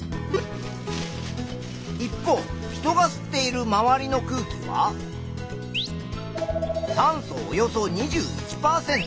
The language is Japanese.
一方人が吸っているまわりの空気は酸素およそ２１％。